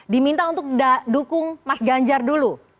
diminta untuk dukung mas ganjar dulu